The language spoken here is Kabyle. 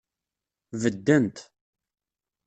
Beddent.